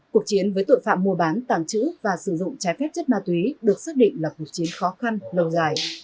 cuộc chiến với tội phạm mua bán tàng trữ và sử dụng trái phép chất ma túy được xác định là cuộc chiến khó khăn lâu dài